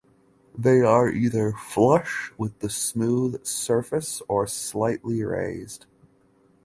They are either flush with the smooth surface or slightly raised.